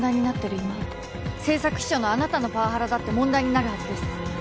今政策秘書のあなたのパワハラだって問題になるはずです。